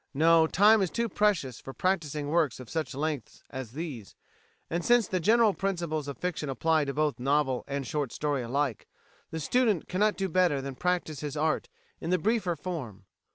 No, time is too precious for practising works of such length as these, and since the general principles of fiction apply to both novel and short story alike, the student cannot do better than practise his art in the briefer form.